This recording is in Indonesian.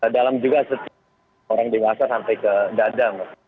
dalam juga setiap orang dimasa sampai ke dadang